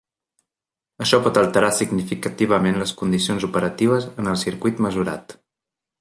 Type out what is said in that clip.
Això pot alterar significativament les condicions operatives en el circuit mesurat.